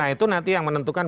nah itu nanti yang menentukan